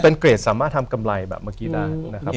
เป็นเกรดสามารถทำกำไรแบบเมื่อกี้ได้นะครับ